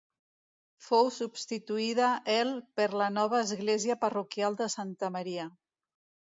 Fou substituïda el per la nova església parroquial de Santa Maria.